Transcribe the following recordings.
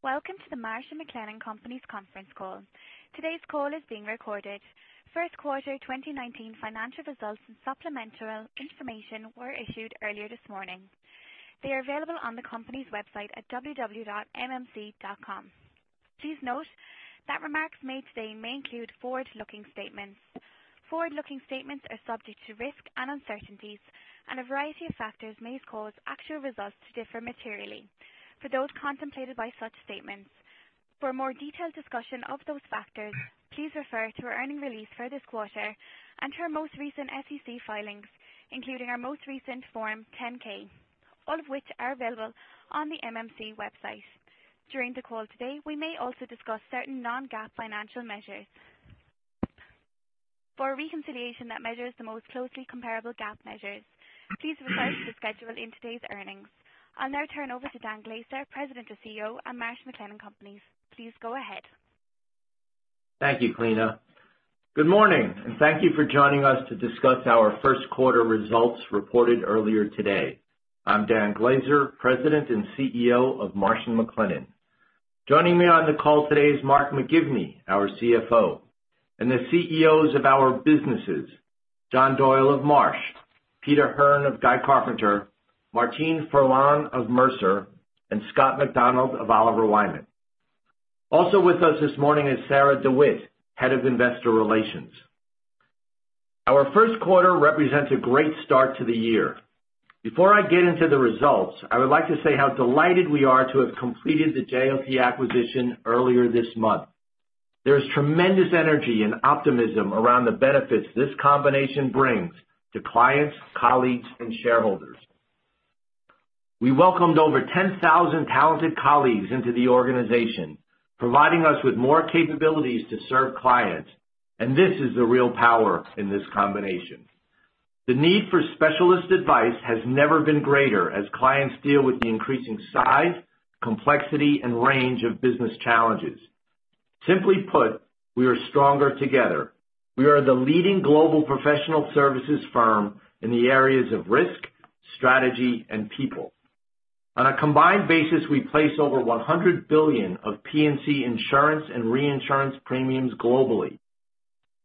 Welcome to the Marsh & McLennan Companies conference call. Today's call is being recorded. First Quarter 2019 financial results and supplemental information were issued earlier this morning. They are available on the company's website at www.mmc.com. Please note that remarks made today may include forward-looking statements. Forward-looking statements are subject to risk and uncertainties, and a variety of factors may cause actual results to differ materially from those contemplated by such statements. For a more detailed discussion of those factors, please refer to our earnings release for this quarter and to our most recent SEC filings, including our most recent Form 10-K, all of which are available on the MMC website. During the call today, we may also discuss certain non-GAAP financial measures. For a reconciliation that measures the most closely comparable GAAP measures, please refer to the schedule in today's earnings. I'll now turn over to Dan Glaser, President and CEO at Marsh & McLennan Companies. Please go ahead. Thank you, [Clena]. Good morning, and thank you for joining us to discuss our first quarter results reported earlier today. I'm Dan Glaser, President and CEO of Marsh & McLennan. Joining me on the call today is Mark McGivney, our CFO, and the CEOs of our businesses, John Doyle of Marsh, Peter Hearn of Guy Carpenter, Martine Ferland of Mercer, and Scott McDonald of Oliver Wyman. Also with us this morning is Sarah DeWitt, Head of Investor Relations. Our first quarter represents a great start to the year. Before I get into the results, I would like to say how delighted we are to have completed the JLT acquisition earlier this month. There is tremendous energy and optimism around the benefits this combination brings to clients, colleagues, and shareholders. We welcomed over 10,000 talented colleagues into the organization, providing us with more capabilities to serve clients. This is the real power in this combination. The need for specialist advice has never been greater as clients deal with the increasing size, complexity, and range of business challenges. Simply put, we are stronger together. We are the leading global professional services firm in the areas of risk, strategy, and people. On a combined basis, we place over $100 billion of P&C insurance and reinsurance premiums globally.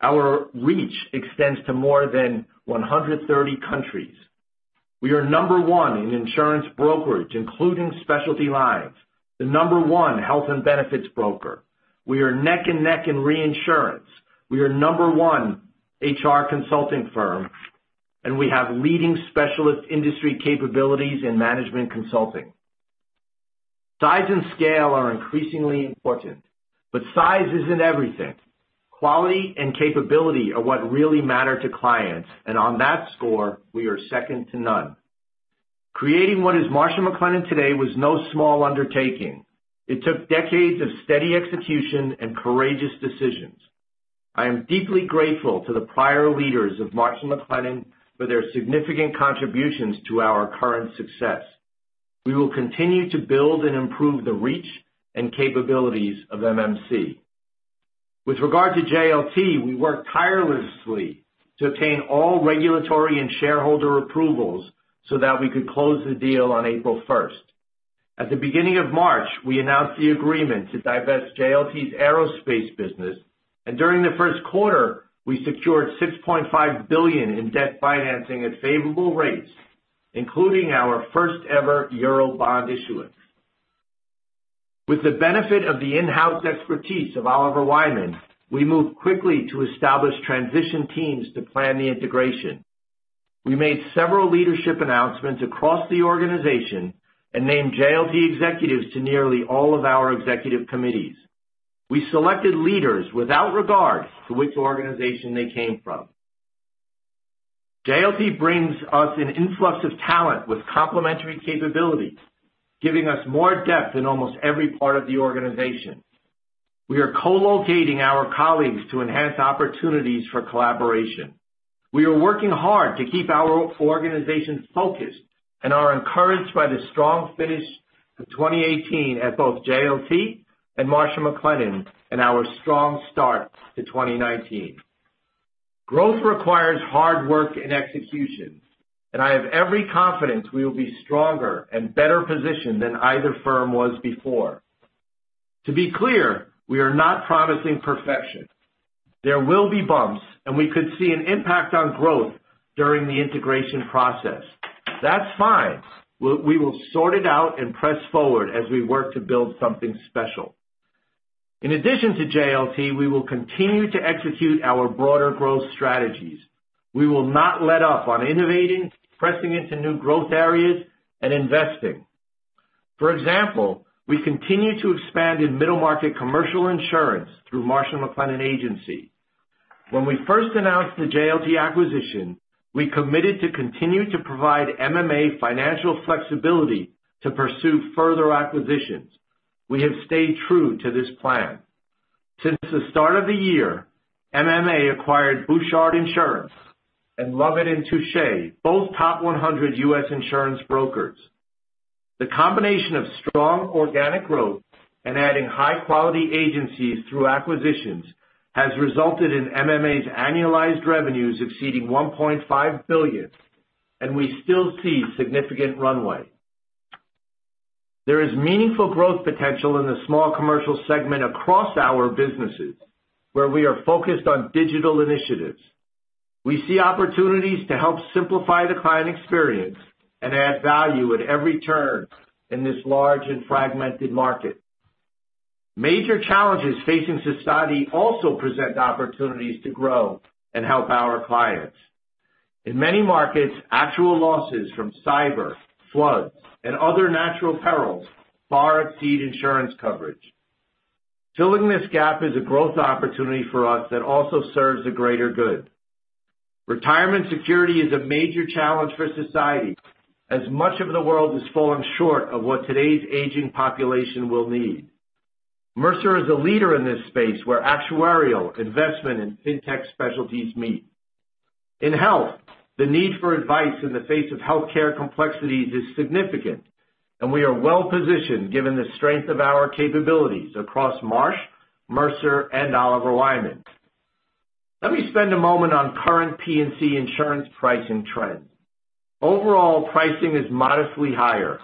Our reach extends to more than 130 countries. We are number one in insurance brokerage, including specialty lines, the number one health and benefits broker. We are neck and neck in reinsurance. We are number one HR consulting firm, and we have leading specialist industry capabilities in management consulting. Size and scale are increasingly important, size isn't everything. Quality and capability are what really matter to clients, and on that score, we are second to none. Creating what is Marsh & McLennan today was no small undertaking. It took decades of steady execution and courageous decisions. I am deeply grateful to the prior leaders of Marsh & McLennan for their significant contributions to our current success. We will continue to build and improve the reach and capabilities of MMC. With regard to JLT, we worked tirelessly to obtain all regulatory and shareholder approvals so that we could close the deal on April 1st. At the beginning of March, we announced the agreement to divest JLT's aerospace business, and during the first quarter, we secured $6.5 billion in debt financing at favorable rates, including our first ever Eurobond issuance. With the benefit of the in-house expertise of Oliver Wyman, we moved quickly to establish transition teams to plan the integration. We made several leadership announcements across the organization and named JLT executives to nearly all of our executive committees. We selected leaders without regard to which organization they came from. JLT brings us an influx of talent with complementary capabilities, giving us more depth in almost every part of the organization. We are co-locating our colleagues to enhance opportunities for collaboration. We are working hard to keep our organization focused and are encouraged by the strong finish to 2018 at both JLT and Marsh & McLennan and our strong start to 2019. I have every confidence we will be stronger and better positioned than either firm was before. To be clear, we are not promising perfection. There will be bumps, we could see an impact on growth during the integration process. That's fine. We will sort it out and press forward as we work to build something special. In addition to JLT, we will continue to execute our broader growth strategies. We will not let up on innovating, pressing into new growth areas, and investing. For example, we continue to expand in middle market commercial insurance through Marsh & McLennan Agency. When we first announced the JLT acquisition, we committed to continue to provide MMA financial flexibility to pursue further acquisitions. We have stayed true to this plan. Since the start of the year, MMA acquired Bouchard Insurance and Lovitt & Touché, both top 100 U.S. insurance brokers. The combination of strong organic growth and adding high-quality agencies through acquisitions has resulted in MMA's annualized revenues exceeding $1.5 billion. We still see significant runway. There is meaningful growth potential in the small commercial segment across our businesses, where we are focused on digital initiatives. We see opportunities to help simplify the client experience and add value at every turn in this large and fragmented market. Major challenges facing society also present opportunities to grow and help our clients. In many markets, actual losses from cyber, floods, and other natural perils far exceed insurance coverage. Filling this gap is a growth opportunity for us that also serves the greater good. Retirement security is a major challenge for society, as much of the world has fallen short of what today's aging population will need. Mercer is a leader in this space, where actuarial investment and fintech specialties meet. In health, the need for advice in the face of healthcare complexities is significant, and we are well-positioned given the strength of our capabilities across Marsh, Mercer, and Oliver Wyman. Let me spend a moment on current P&C insurance pricing trends. Overall, pricing is modestly higher.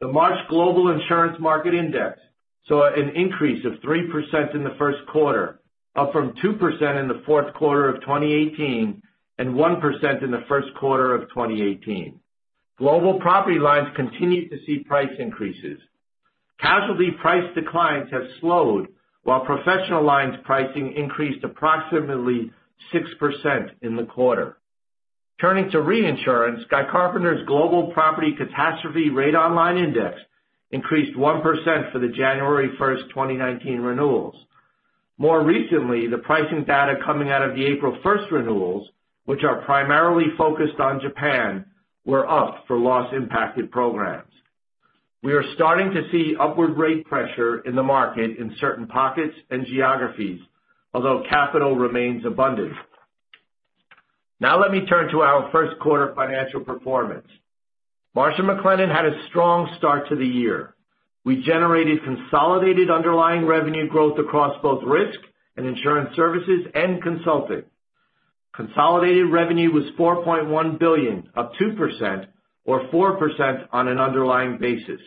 The Marsh Global Insurance Market Index saw an increase of 3% in the first quarter, up from 2% in the fourth quarter of 2018, and 1% in the first quarter of 2018. Global property lines continue to see price increases. Casualty price declines have slowed while professional lines pricing increased approximately 6% in the quarter. Turning to reinsurance, Guy Carpenter's Global Property Catastrophe Rate-on-Line index increased 1% for the January 1st, 2019 renewals. More recently, the pricing data coming out of the April 1st renewals, which are primarily focused on Japan, were up for loss-impacted programs. We are starting to see upward rate pressure in the market in certain pockets and geographies, although capital remains abundant. Let me turn to our first quarter financial performance. Marsh & McLennan had a strong start to the year. We generated consolidated underlying revenue growth across both risk and insurance services and consulting. Consolidated revenue was $4.1 billion, up 2%, or 4% on an underlying basis.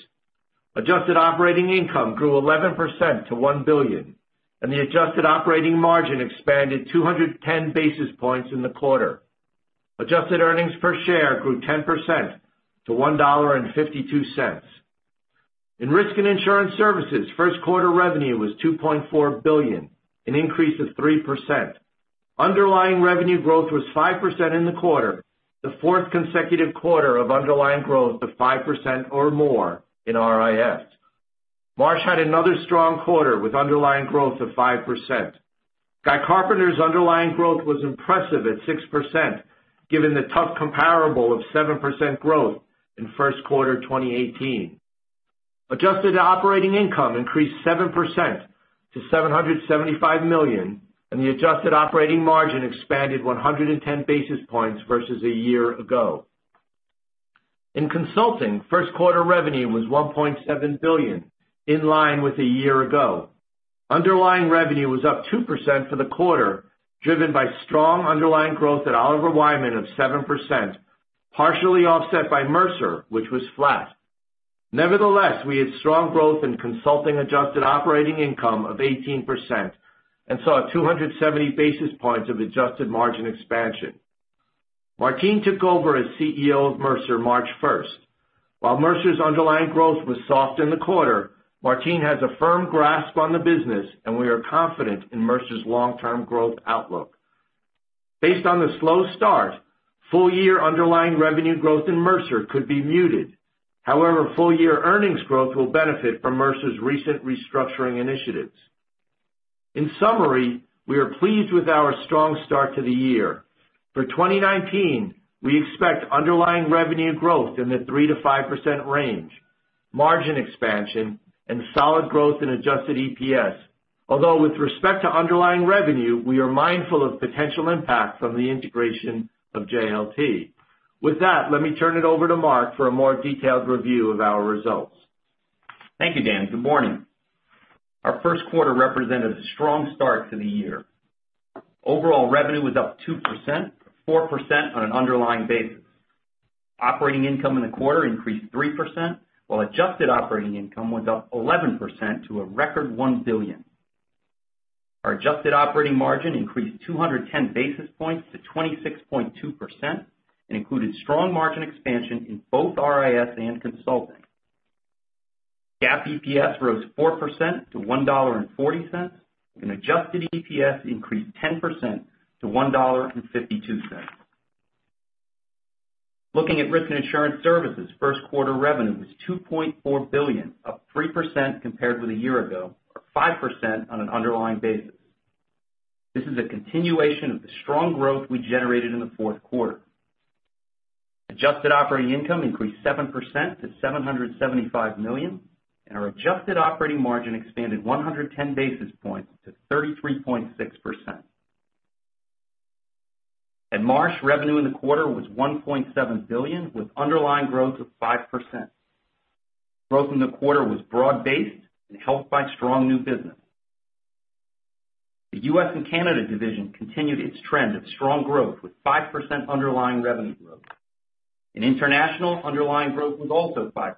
Adjusted operating income grew 11% to $1 billion, and the adjusted operating margin expanded 210 basis points in the quarter. Adjusted earnings per share grew 10% to $1.52. In risk and insurance services, first quarter revenue was $2.4 billion, an increase of 3%. Underlying revenue growth was 5% in the quarter, the fourth consecutive quarter of underlying growth of 5% or more in RIS. Marsh had another strong quarter with underlying growth of 5%. Guy Carpenter's underlying growth was impressive at 6%, given the tough comparable of 7% growth in first quarter 2018. Adjusted operating income increased 7% to $775 million, and the adjusted operating margin expanded 110 basis points versus a year ago. In consulting, first quarter revenue was $1.7 billion, in line with a year ago. Underlying revenue was up 2% for the quarter, driven by strong underlying growth at Oliver Wyman of 7%, partially offset by Mercer, which was flat. We had strong growth in consulting adjusted operating income of 18% and saw 270 basis points of adjusted margin expansion. Martine took over as CEO of Mercer March 1st. While Mercer's underlying growth was soft in the quarter, Martine has a firm grasp on the business, and we are confident in Mercer's long-term growth outlook. Based on the slow start, full-year underlying revenue growth in Mercer could be muted. Full-year earnings growth will benefit from Mercer's recent restructuring initiatives. In summary, we are pleased with our strong start to the year. For 2019, we expect underlying revenue growth in the 3%-5% range, margin expansion, and solid growth in adjusted EPS. With respect to underlying revenue, we are mindful of potential impacts on the integration of JLT. With that, let me turn it over to Mark for a more detailed review of our results. Thank you, Dan. Good morning. Our first quarter represented a strong start to the year. Overall revenue was up 2%, 4% on an underlying basis. Operating income in the quarter increased 3%, while adjusted operating income was up 11% to a record $1 billion. Our adjusted operating margin increased 210 basis points to 26.2% and included strong margin expansion in both RIS and consulting. GAAP EPS rose 4% to $1.40, and adjusted EPS increased 10% to $1.52. Looking at risk and insurance services, first quarter revenue was $2.4 billion, up 3% compared with a year ago, or 5% on an underlying basis. This is a continuation of the strong growth we generated in the fourth quarter. Adjusted operating income increased 7% to $775 million, and our adjusted operating margin expanded 110 basis points to 33.6%. At Marsh, revenue in the quarter was $1.7 billion, with underlying growth of 5%. Growth in the quarter was broad-based and helped by strong new business. The U.S. and Canada division continued its trend of strong growth with 5% underlying revenue growth. In international, underlying growth was also 5%,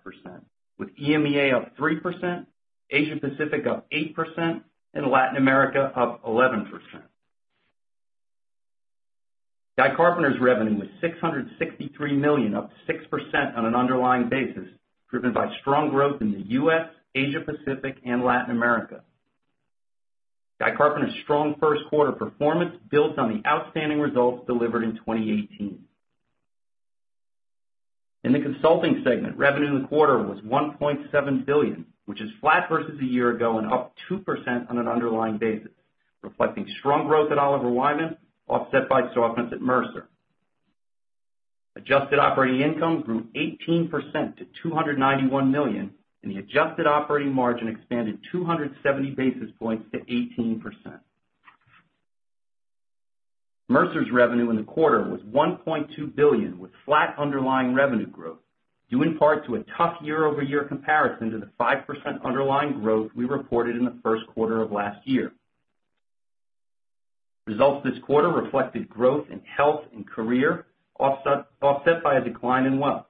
with EMEA up 3%, Asia Pacific up 8%, and Latin America up 11%. Guy Carpenter's revenue was $663 million, up 6% on an underlying basis, driven by strong growth in the U.S., Asia Pacific and Latin America. Guy Carpenter's strong first quarter performance builds on the outstanding results delivered in 2018. In the consulting segment, revenue in the quarter was $1.7 billion, which is flat versus a year ago and up 2% on an underlying basis, reflecting strong growth at Oliver Wyman, offset by softness at Mercer. Adjusted operating income grew 18% to $291 million, and the adjusted operating margin expanded 270 basis points to 18%. Mercer's revenue in the quarter was $1.2 billion, with flat underlying revenue growth, due in part to a tough year-over-year comparison to the 5% underlying growth we reported in the first quarter of last year. Results this quarter reflected growth in Health and Career, offset by a decline in Wealth.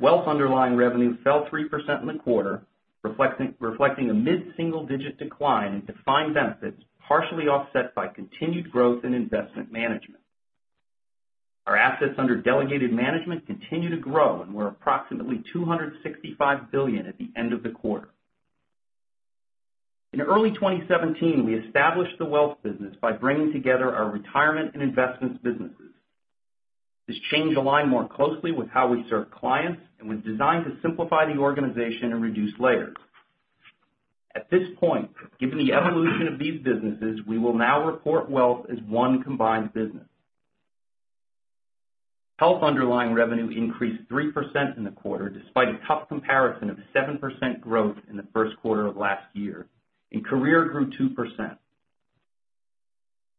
Wealth underlying revenue fell 3% in the quarter, reflecting a mid-single-digit decline in defined benefits, partially offset by continued growth in investment management. Our assets under delegated management continue to grow and were approximately $265 billion at the end of the quarter. In early 2017, we established the Wealth business by bringing together our retirement and investments businesses. This change aligned more closely with how we serve clients and was designed to simplify the organization and reduce layers. At this point, given the evolution of these businesses, we will now report Wealth as one combined business. Health underlying revenue increased 3% in the quarter, despite a tough comparison of 7% growth in the first quarter of last year, and Career grew 2%.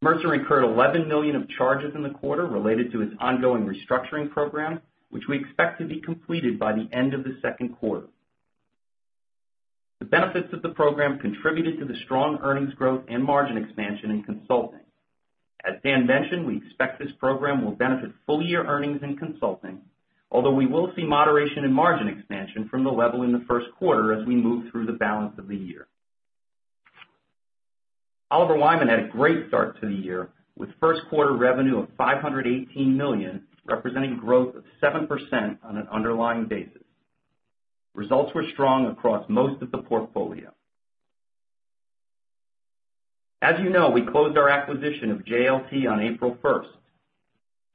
Mercer incurred $11 million of charges in the quarter related to its ongoing restructuring program, which we expect to be completed by the end of the second quarter. The benefits of the program contributed to the strong earnings growth and margin expansion in consulting. As Dan mentioned, we expect this program will benefit full-year earnings in consulting, although we will see moderation in margin expansion from the level in the first quarter as we move through the balance of the year. Oliver Wyman had a great start to the year, with first quarter revenue of $518 million, representing growth of 7% on an underlying basis. Results were strong across most of the portfolio. As you know, we closed our acquisition of JLT on April 1st.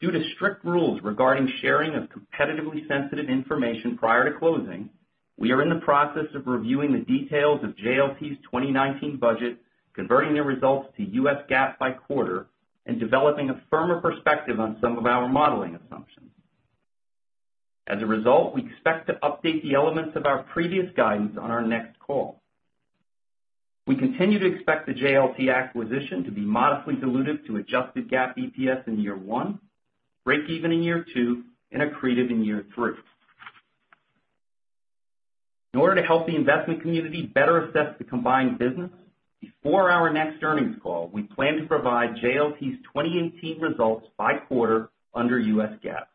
Due to strict rules regarding sharing of competitively sensitive information prior to closing, we are in the process of reviewing the details of JLT's 2019 budget, converting their results to US GAAP by quarter, and developing a firmer perspective on some of our modeling assumptions. As a result, we expect to update the elements of our previous guidance on our next call. We continue to expect the JLT acquisition to be modestly dilutive to adjusted GAAP EPS in year one, break even in year two, and accretive in year three. In order to help the investment community better assess the combined business, before our next earnings call, we plan to provide JLT's 2018 results by quarter under US GAAP.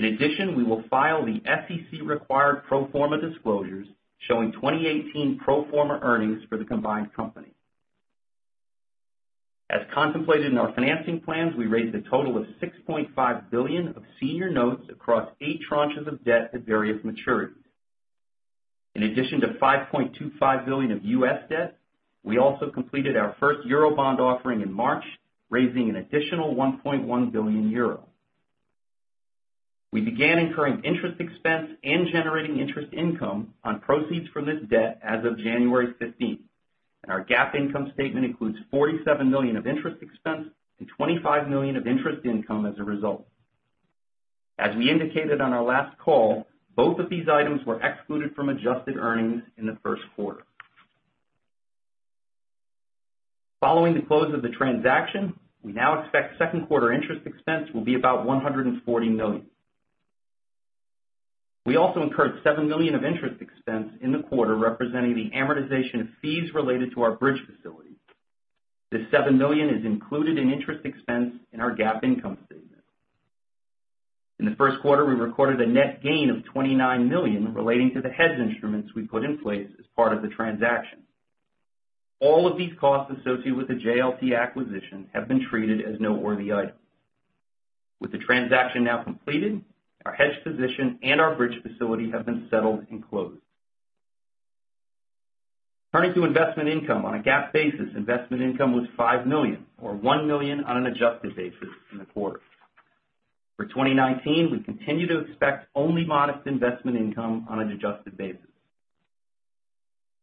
We will file the SEC required pro forma disclosures showing 2018 pro forma earnings for the combined company. As contemplated in our financing plans, we raised a total of $6.5 billion of senior notes across eight tranches of debt at various maturities. In addition to $5.25 billion of U.S. debt, we also completed our first Eurobond offering in March, raising an additional 1.1 billion euros. We began incurring interest expense and generating interest income on proceeds from this debt as of January 15th. Our GAAP income statement includes $47 million of interest expense and $25 million of interest income as a result. As we indicated on our last call, both of these items were excluded from adjusted earnings in the first quarter. Following the close of the transaction, we now expect second quarter interest expense will be about $140 million. We also incurred $7 million of interest expense in the quarter representing the amortization of fees related to our bridge facility. This $7 million is included in interest expense in our GAAP income statement. In the first quarter, we recorded a net gain of $29 million relating to the hedge instruments we put in place as part of the transaction. All of these costs associated with the JLT acquisition have been treated as noteworthy items. With the transaction now completed, our hedge position and our bridge facility have been settled and closed. Turning to investment income. On a GAAP basis, investment income was $5 million or $1 million on an adjusted basis in the quarter. For 2019, we continue to expect only modest investment income on an adjusted basis.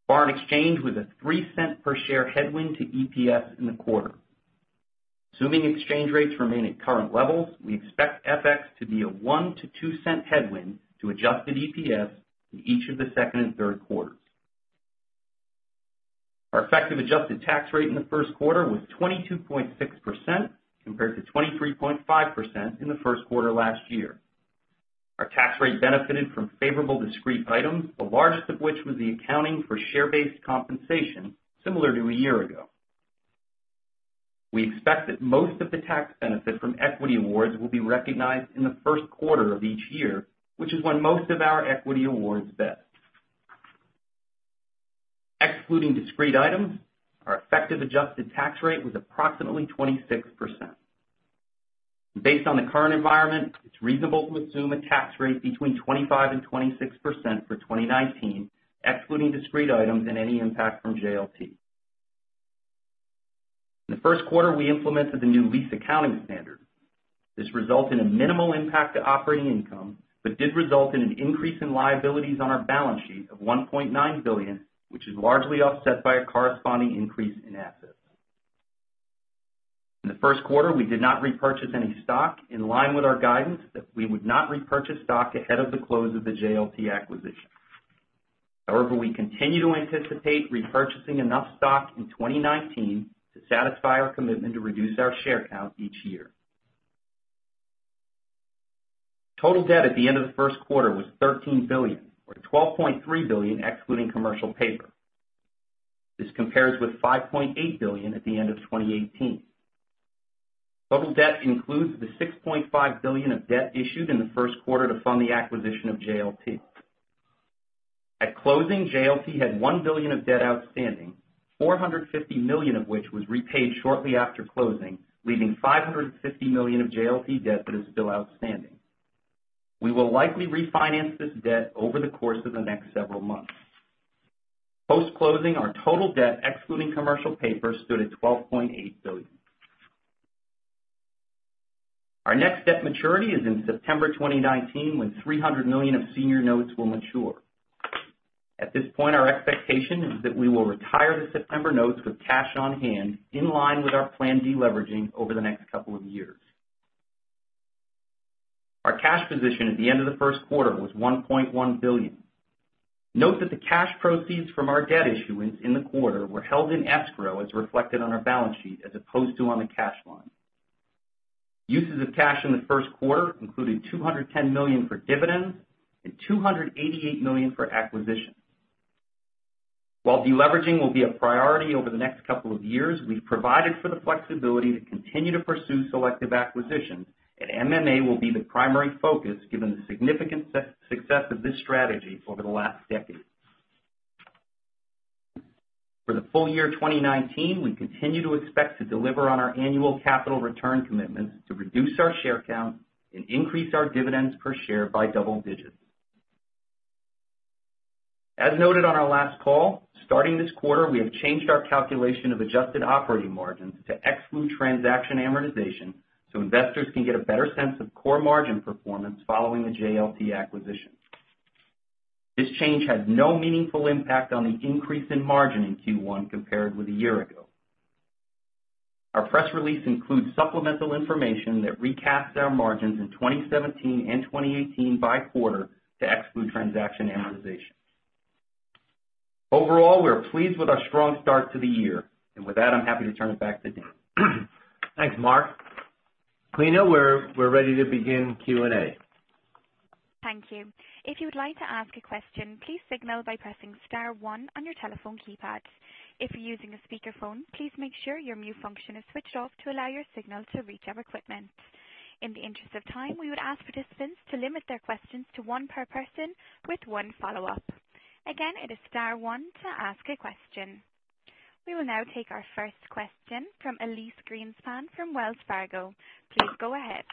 Foreign exchange was a $0.03 per share headwind to EPS in the quarter. Assuming exchange rates remain at current levels, we expect FX to be a $0.01-$0.02 headwind to adjusted EPS in each of the second and third quarters. Our effective adjusted tax rate in the first quarter was 22.6% compared to 23.5% in the first quarter last year. Our tax rate benefited from favorable discrete items, the largest of which was the accounting for share-based compensation, similar to a year ago. We expect that most of the tax benefit from equity awards will be recognized in the first quarter of each year, which is when most of our equity awards vest. Excluding discrete items, our effective adjusted tax rate was approximately 26%. Based on the current environment, it's reasonable to assume a tax rate between 25%-26% for 2019, excluding discrete items and any impact from JLT. In the first quarter, we implemented the new lease accounting standard. This resulted in minimal impact to operating income, but did result in an increase in liabilities on our balance sheet of $1.9 billion, which is largely offset by a corresponding increase in assets. In the first quarter, we did not repurchase any stock, in line with our guidance that we would not repurchase stock ahead of the close of the JLT acquisition. However, we continue to anticipate repurchasing enough stock in 2019 to satisfy our commitment to reduce our share count each year. Total debt at the end of the first quarter was $13 billion, or $12.3 billion, excluding commercial paper. This compares with $5.8 billion at the end of 2018. Total debt includes the $6.5 billion of debt issued in the first quarter to fund the acquisition of JLT. At closing, JLT had $1 billion of debt outstanding, $450 million of which was repaid shortly after closing, leaving $550 million of JLT debt that is still outstanding. We will likely refinance this debt over the course of the next several months. Post-closing, our total debt, excluding commercial paper, stood at $12.8 billion. Our next debt maturity is in September 2019, when $300 million of senior notes will mature. At this point, our expectation is that we will retire the September notes with cash on hand, in line with our planned de-leveraging over the next couple of years. Our cash position at the end of the first quarter was $1.1 billion. Note that the cash proceeds from our debt issuance in the quarter were held in escrow, as reflected on our balance sheet, as opposed to on the cash line. Uses of cash in the first quarter included $210 million for dividends and $288 million for acquisitions. While de-leveraging will be a priority over the next couple of years, we've provided for the flexibility to continue to pursue selective acquisitions, and M&A will be the primary focus given the significant success of this strategy over the last decade. For the full year 2019, we continue to expect to deliver on our annual capital return commitments to reduce our share count and increase our dividends per share by double digits. As noted on our last call, starting this quarter, we have changed our calculation of adjusted operating margins to exclude transaction amortization so investors can get a better sense of core margin performance following the JLT acquisition. This change had no meaningful impact on the increase in margin in Q1 compared with a year ago. Our press release includes supplemental information that recasts our margins in 2017 and 2018 by quarter to exclude transaction amortization. Overall, we are pleased with our strong start to the year. With that, I'm happy to turn it back to Dan. Thanks, Mark. Lina, we're ready to begin Q&A. Thank you. If you would like to ask a question, please signal by pressing *1 on your telephone keypad. If you're using a speakerphone, please make sure your mute function is switched off to allow your signal to reach our equipment. In the interest of time, we would ask participants to limit their questions to one per person with one follow-up. Again, it is *1 to ask a question. We will now take our first question from Elyse Greenspan from Wells Fargo. Please go ahead.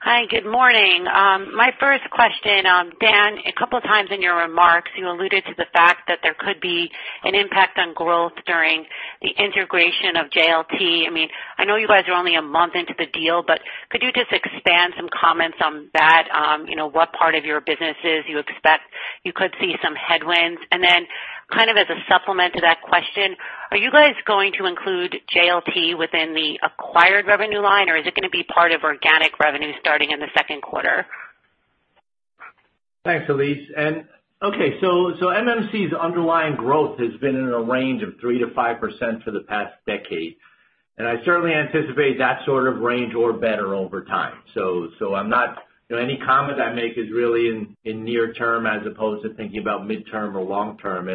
Hi, good morning. My first question. Dan, a couple of times in your remarks, you alluded to the fact that there could be an impact on growth during the integration of JLT. I know you guys are only a month into the deal, but could you just expand some comments on that? What part of your businesses you expect you could see some headwinds. Then kind of as a supplement to that question, are you guys going to include JLT within the acquired revenue line, or is it going to be part of organic revenue starting in the second quarter? Thanks, Elyse. MMC's underlying growth has been in a range of 3%-5% for the past decade. I certainly anticipate that sort of range or better over time. Any comment I make is really in near term as opposed to thinking about midterm or long-term.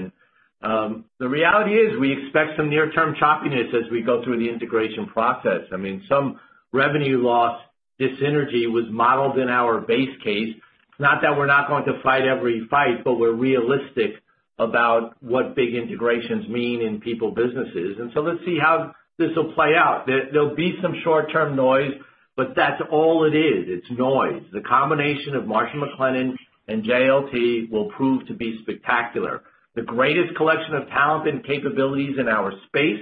The reality is, we expect some near-term choppiness as we go through the integration process. Some revenue loss, this synergy was modeled in our base case. Not that we're not going to fight every fight, but we're realistic about what big integrations mean in people businesses. So let's see how this will play out. There'll be some short-term noise, but that's all it is. It's noise. The combination of Marsh & McLennan and JLT will prove to be spectacular. The greatest collection of talent and capabilities in our space,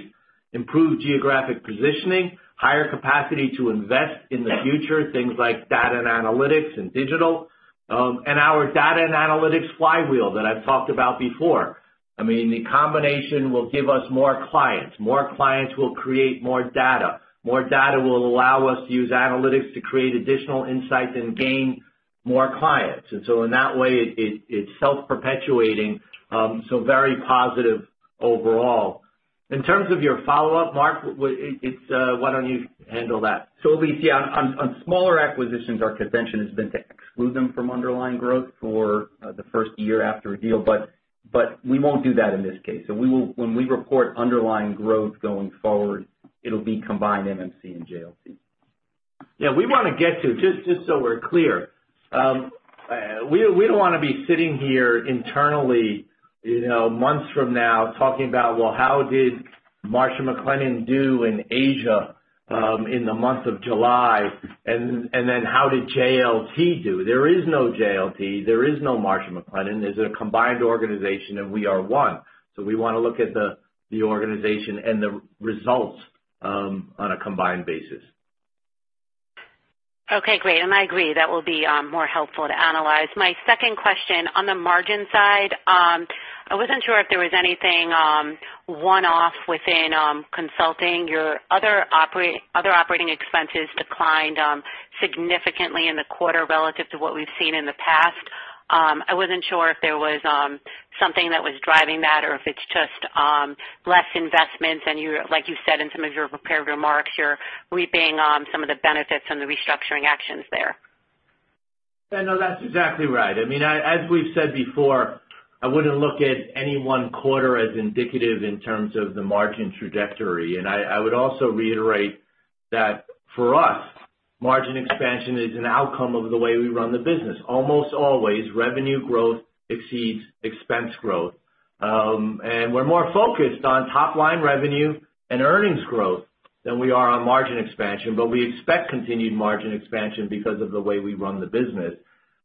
improved geographic positioning, higher capacity to invest in the future, things like data and analytics and digital. Our data and analytics flywheel that I've talked about before. The combination will give us more clients. More clients will create more data. More data will allow us to use analytics to create additional insights and gain more clients. In that way, it's self-perpetuating. Very positive overall. In terms of your follow-up, Mark, why don't you handle that? Elyse, on smaller acquisitions, our convention has been to exclude them from underlying growth for the first year after a deal. We won't do that in this case. When we report underlying growth going forward, it'll be combined MMC and JLT. We want to get to, just so we're clear. We don't want to be sitting here internally months from now talking about, well, how did Marsh & McLennan do in Asia in the month of July, and then how did JLT do? There is no JLT. There is no Marsh & McLennan. There's a combined organization, and we are one. We want to look at the organization and the results on a combined basis. Okay, great. I agree, that will be more helpful to analyze. My second question, on the margin side, I wasn't sure if there was anything one-off within consulting. Your other operating expenses declined significantly in the quarter relative to what we've seen in the past. I wasn't sure if there was something that was driving that or if it's just less investment and, like you said in some of your prepared remarks, you're reaping some of the benefits and the restructuring actions there. No, that's exactly right. As we've said before, I wouldn't look at any one quarter as indicative in terms of the margin trajectory. I would also reiterate that for us, margin expansion is an outcome of the way we run the business. Almost always, revenue growth exceeds expense growth. We're more focused on top-line revenue and earnings growth than we are on margin expansion, but we expect continued margin expansion because of the way we run the business.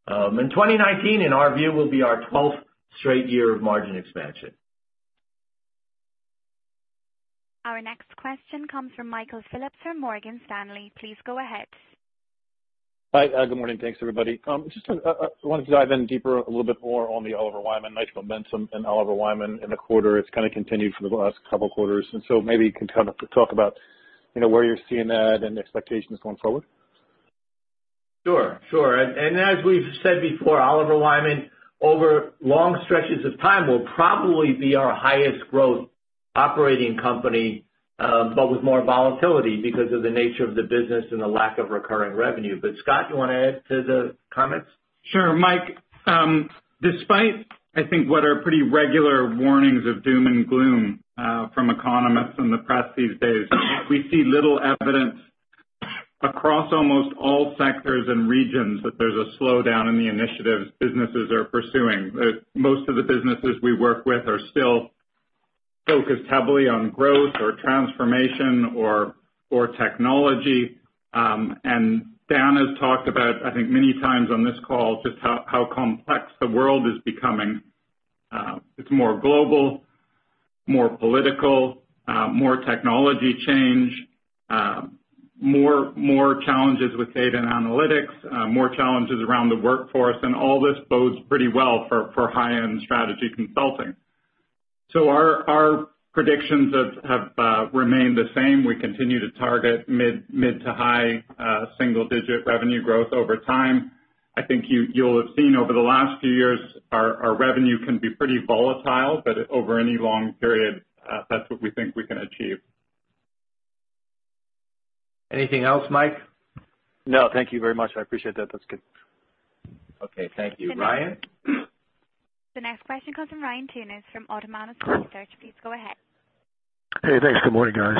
2019, in our view, will be our 12th straight year of margin expansion. Our next question comes from Michael Phillips from Morgan Stanley. Please go ahead. Hi. Good morning. Thanks, everybody. Just wanted to dive in deeper a little bit more on the Oliver Wyman. Nice momentum in Oliver Wyman in the quarter. It's kind of continued for the last couple quarters, maybe you can talk about where you're seeing that and expectations going forward. Sure. As we've said before, Oliver Wyman, over long stretches of time, will probably be our highest growth operating company, but with more volatility because of the nature of the business and the lack of recurring revenue. Scott, you want to add to the comments? Sure, Mike. Despite, I think, what are pretty regular warnings of doom and gloom from economists in the press these days, we see little evidence across almost all sectors and regions that there's a slowdown in the initiatives businesses are pursuing. Most of the businesses we work with are still focused heavily on growth or transformation or technology. Dan has talked about, I think many times on this call, just how complex the world is becoming. It's more global, more political, more technology change, more challenges with data and analytics, more challenges around the workforce, and all this bodes pretty well for high-end strategy consulting. Our predictions have remained the same. We continue to target mid to high single-digit revenue growth over time. I think you'll have seen over the last few years, our revenue can be pretty volatile, but over any long period, that's what we think we can achieve. Anything else, Mike? No, thank you very much. I appreciate that. That's good. Okay. Thank you. Ryan? The next question comes from Ryan Tunis from Autonomous Research. Please go ahead. Hey, thanks. Good morning, guys.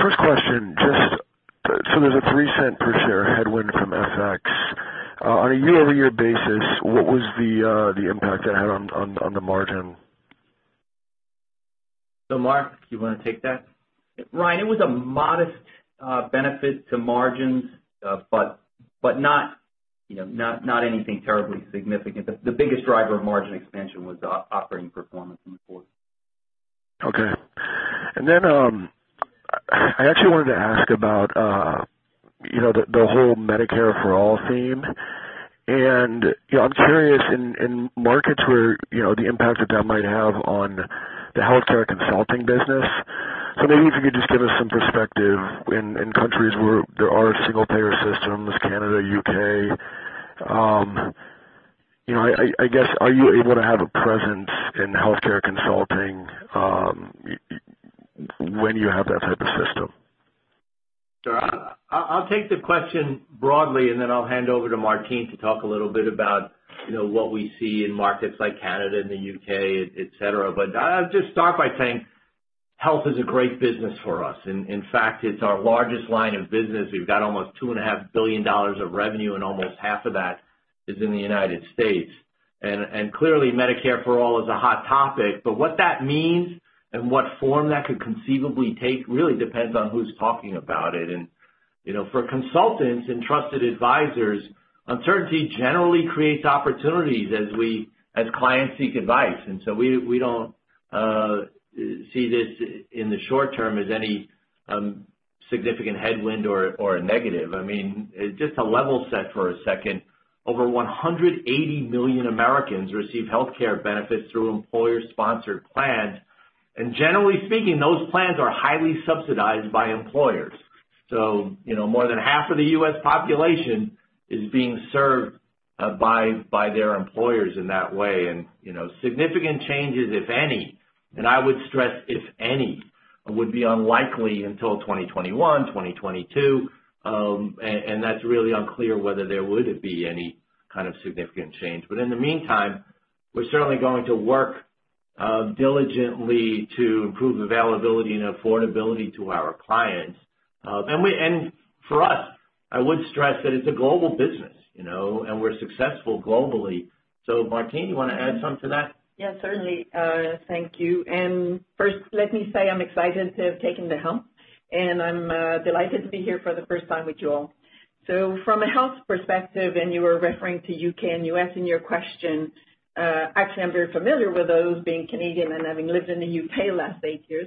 First question, there's a $0.03 per share headwind from FX. On a year-over-year basis, what was the impact that had on the margin? Mark, you want to take that? Ryan, it was a modest benefit to margins, but not anything terribly significant. The biggest driver of margin expansion was operating performance in the quarter. Okay. Then I actually wanted to ask about the whole Medicare for All theme. I'm curious in markets where the impact that might have on the healthcare consulting business. Maybe if you could just give us some perspective in countries where there are single-payer systems, Canada, U.K. I guess, are you able to have a presence in healthcare consulting when you have that type of system? Sure. I'll take the question broadly, then I'll hand over to Martine to talk a little bit about what we see in markets like Canada and the U.K., et cetera. I'll just start by saying health is a great business for us. In fact, it's our largest line of business. We've got almost $2.5 billion of revenue, and almost half of that is in the U.S. Clearly, Medicare for All is a hot topic, but what that means and what form that could conceivably take really depends on who's talking about it. For consultants and trusted advisors, uncertainty generally creates opportunities as clients seek advice. We don't see this in the short term as any significant headwind or a negative. I mean, just to level set for a second, over 180 million Americans receive healthcare benefits through employer-sponsored plans. Generally speaking, those plans are highly subsidized by employers. More than half of the U.S. population is being served by their employers in that way. Significant changes, if any, and I would stress if any, would be unlikely until 2021, 2022. That's really unclear whether there would be any kind of significant change. In the meantime, we're certainly going to work diligently to improve availability and affordability to our clients. For us, I would stress that it's a global business, and we're successful globally. Martine, you want to add something to that? Yeah, certainly. Thank you. First, let me say, I'm excited to have taken the helm, and I'm delighted to be here for the first time with you all. From a health perspective, and you were referring to U.K. and U.S. in your question, actually, I'm very familiar with those, being Canadian and having lived in the U.K. the last eight years.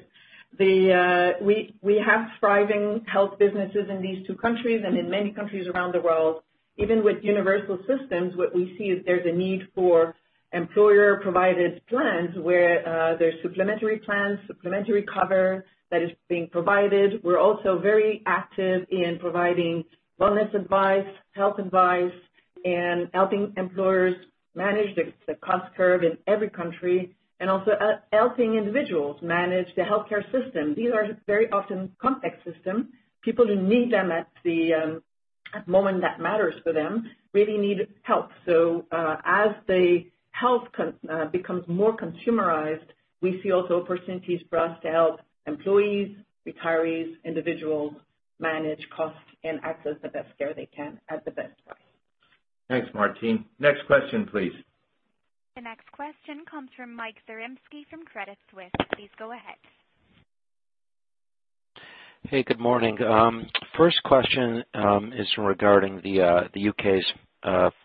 We have thriving health businesses in these two countries and in many countries around the world. Even with universal systems, what we see is there's a need for employer-provided plans where there's supplementary plans, supplementary cover that is being provided. We're also very active in providing wellness advice, health advice, and helping employers manage the cost curve in every country, and also helping individuals manage the healthcare system. These are very often complex systems. People who need them at the moment that matters for them really need help. As the health becomes more consumerized, we see also opportunities for us to help employees, retirees, individuals manage costs and access the best care they can at the best price. Thanks, Martine. Next question, please. The next question comes from Mike Zaremski from Credit Suisse. Please go ahead. Hey, good morning. First question is regarding the U.K.'s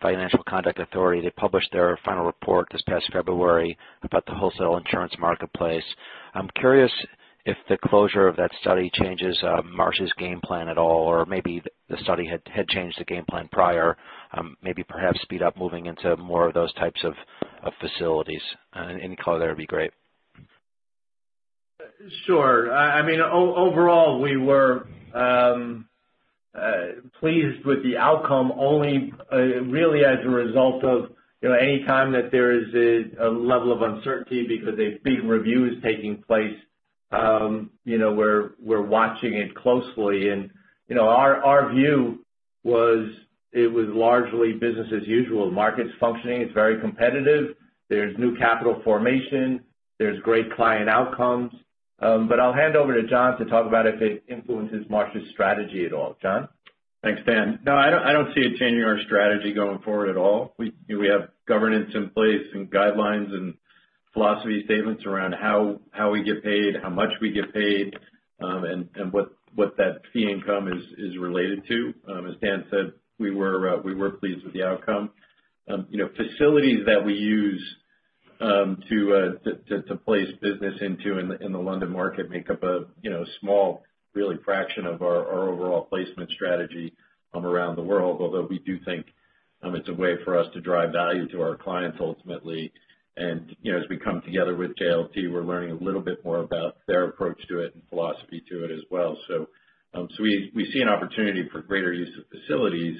Financial Conduct Authority. They published their final report this past February about the wholesale insurance marketplace. I'm curious if the closure of that study changes Marsh's game plan at all, or maybe the study had changed the game plan prior, perhaps speed up moving into more of those types of facilities. Any color there would be great. Sure. Overall, we were pleased with the outcome only really as a result of any time that there is a level of uncertainty because a big review is taking place, we're watching it closely. Our view was it was largely business as usual. Market's functioning, it's very competitive. There's new capital formation. There's great client outcomes. I'll hand over to John to talk about if it influences Marsh's strategy at all. John? Thanks, Dan. No, I don't see it changing our strategy going forward at all. We have governance in place and guidelines and philosophy statements around how we get paid, how much we get paid, and what that fee income is related to. As Dan said, we were pleased with the outcome. Facilities that we use to place business into in the London market make up a small, really fraction of our overall placement strategy around the world. We do think it's a way for us to drive value to our clients ultimately. As we come together with JLT, we're learning a little bit more about their approach to it and philosophy to it as well. We see an opportunity for greater use of facilities,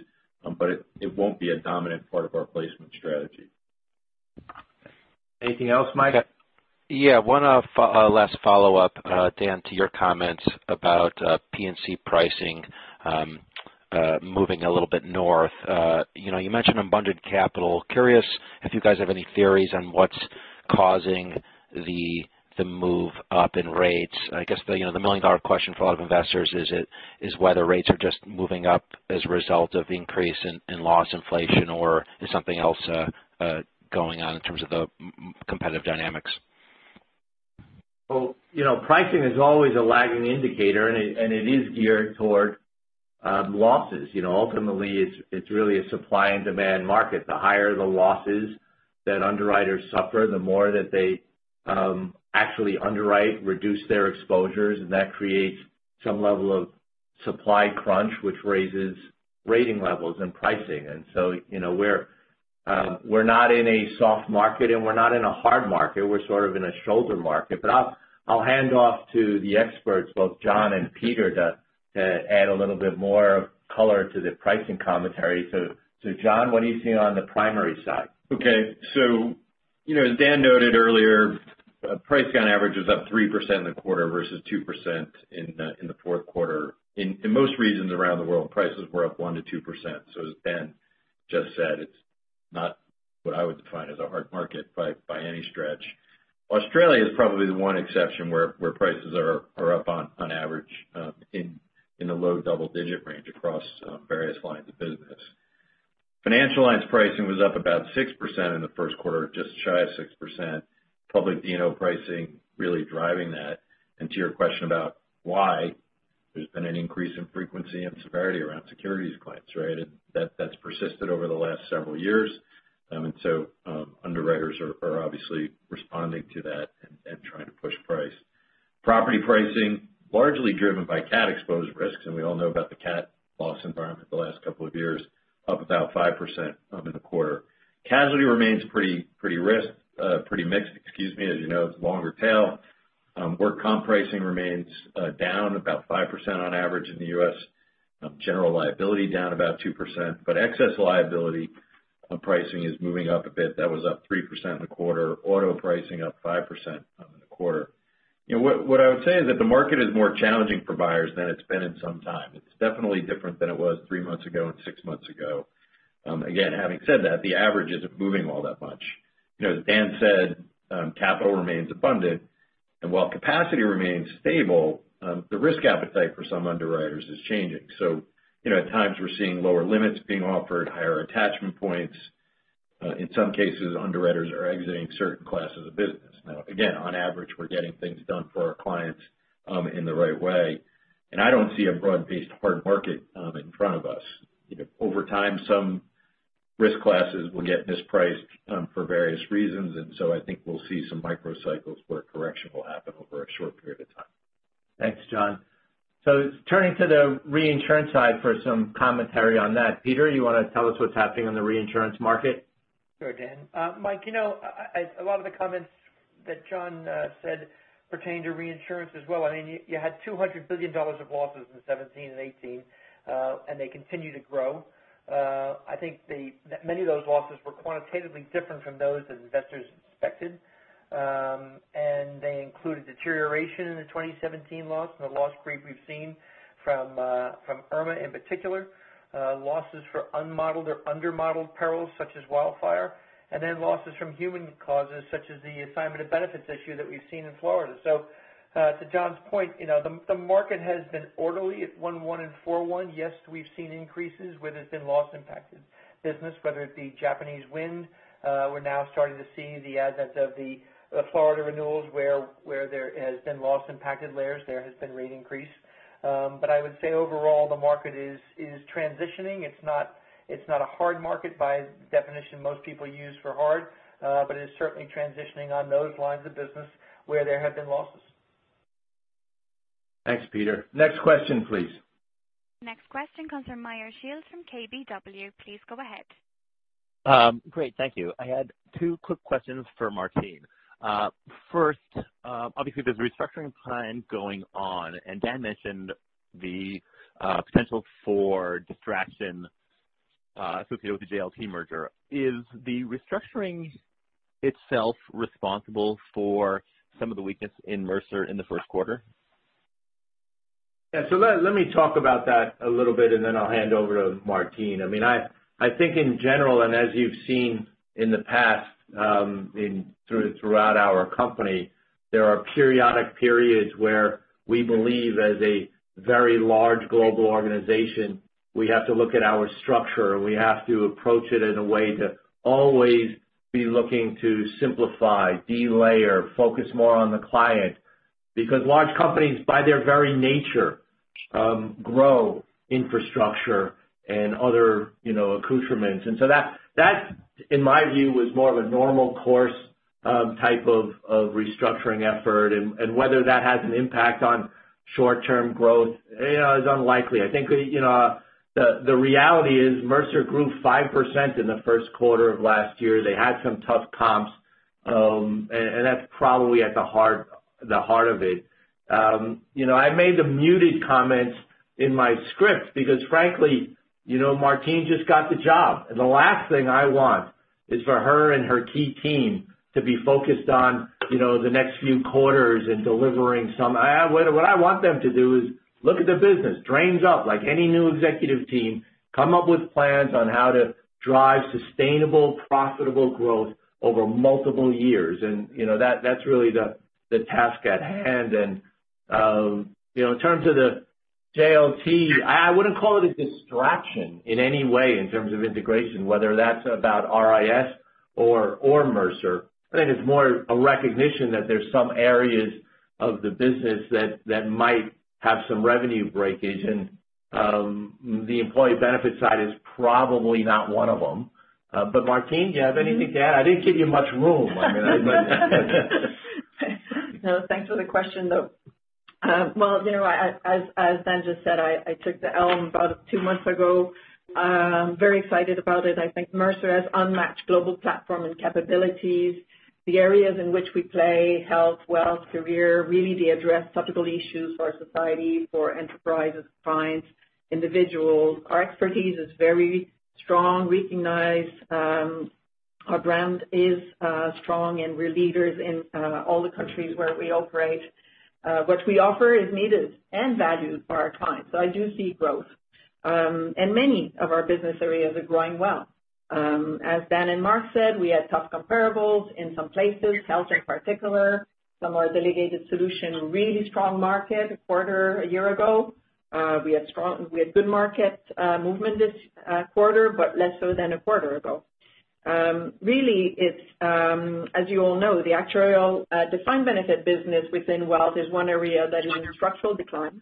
but it won't be a dominant part of our placement strategy. Anything else, Mike? Yeah. One last follow-up, Dan, to your comments about P&C pricing moving a little bit north. You mentioned abundant capital. Curious if you guys have any theories on what's causing the move up in rates. I guess, the million-dollar question for a lot of investors is whether rates are just moving up as a result of the increase in loss inflation, or is something else going on in terms of the competitive dynamics. Pricing is always a lagging indicator, and it is geared toward losses. Ultimately, it's really a supply and demand market. The higher the losses that underwriters suffer, the more that they actually underwrite, reduce their exposures, and that creates some level of supply crunch, which raises rating levels and pricing. We're not in a soft market, and we're not in a hard market. We're sort of in a shoulder market. I'll hand off to the experts, both John and Peter, to add a little bit more color to the pricing commentary. John, what are you seeing on the primary side? Okay. As Dan noted earlier, price on average was up 3% in the quarter versus 2% in the fourth quarter. In most regions around the world, prices were up 1%-2%. As Dan just said, it's not what I would define as a hard market by any stretch. Australia is probably the one exception where prices are up on average in the low double-digit range across various lines of business. Financial lines pricing was up about 6% in the first quarter, just shy of 6%. Public D&O pricing really driving that. To your question about why, there's been an increase in frequency and severity around securities clients, right? That's persisted over the last several years. Underwriters are obviously responding to that and trying to push price. Property pricing, largely driven by cat exposed risks, and we all know about the cat loss environment for the last couple of years, up about 5% in the quarter. Casualty remains pretty mixed, as you know, it's a longer tail. Work comp pricing remains down about 5% on average in the U.S., general liability down about 2%. Excess liability pricing is moving up a bit. That was up 3% in the quarter. Auto pricing up 5% in the quarter. What I would say is that the market is more challenging for buyers than it's been in some time. It's definitely different than it was three months ago and six months ago. Again, having said that, the average isn't moving all that much. As Dan said, capital remains abundant, and while capacity remains stable, the risk appetite for some underwriters is changing. At times we're seeing lower limits being offered, higher attachment points. In some cases, underwriters are exiting certain classes of business. Again, on average, we're getting things done for our clients in the right way, and I don't see a broad-based hard market in front of us. Over time, some risk classes will get mispriced for various reasons, I think we'll see some microcycles where correction will happen over a short period of time. Thanks, John. Turning to the reinsurance side for some commentary on that. Peter, you want to tell us what's happening on the reinsurance market? Sure, Dan. Mike, a lot of the comments that John said pertain to reinsurance as well. You had $200 billion of losses in 2017 and 2018, and they continue to grow. I think many of those losses were quantitatively different from those that investors expected. They included deterioration in the 2017 loss and the loss creep we've seen from Irma, in particular, losses for unmodeled or under-modeled perils such as wildfire, and then losses from human causes, such as the assignment of benefits issue that we've seen in Florida. To John's point, the market has been orderly at 1/1 and 4/1. Yes, we've seen increases where there's been loss-impacted business, whether it be Japanese wind. We're now starting to see the advent of the Florida renewals, where there has been loss-impacted layers, there has been rate increase. I would say overall, the market is transitioning. It's not a hard market by definition most people use for hard, it is certainly transitioning on those lines of business where there have been losses. Thanks, Peter. Next question, please. Next question comes from Meyer Shields from KBW. Please go ahead. Great. Thank you. I had two quick questions for Martine. First, obviously, there's a restructuring plan going on, and Dan mentioned the potential for distraction associated with the JLT merger. Is the restructuring itself responsible for some of the weakness in Mercer in the first quarter? Yeah. Let me talk about that a little bit, and then I'll hand over to Martine. I think in general, and as you've seen in the past throughout our company, there are periodic periods where we believe, as a very large global organization, we have to look at our structure, and we have to approach it in a way to always be looking to simplify, de-layer, focus more on the client. Because large companies, by their very nature, grow infrastructure and other accoutrements. That, in my view, was more of a normal course type of restructuring effort. Whether that has an impact on short-term growth is unlikely. I think, the reality is Mercer grew 5% in the first quarter of last year. They had some tough comps, and that's probably at the heart of it. I made the muted comments in my script because frankly, Martine just got the job. The last thing I want is for her and her key team to be focused on the next few quarters. What I want them to do is look at the business, grounds up, like any new executive team, come up with plans on how to drive sustainable, profitable growth over multiple years. That's really the task at hand. In terms of the JLT, I wouldn't call it a distraction in any way in terms of integration, whether that's about RIS or Mercer. I think it's more a recognition that there's some areas of the business that might have some revenue breakage, and the employee benefit side is probably not one of them. Martine, do you have anything to add? I didn't give you much room. No, thanks for the question, though. Well, as Dan just said, I took the helm about two months ago. Very excited about it. I think Mercer has unmatched global platform and capabilities. The areas in which we play, health, wealth, career, really the addressable issues for society, for enterprises, clients, individuals. Our expertise is very strong. Recognize our brand is strong, and we're leaders in all the countries where we operate. What we offer is needed and valued for our clients. I do see growth. Many of our business areas are growing well. As Dan and Mark said, we had tough comparables in some places, health in particular. Some are delegated solution, really strong market a quarter a year ago. We had good market movement this quarter, but less so than a quarter ago. Really, as you all know, the actuarial defined benefit business within Wealth is one area that is in structural decline.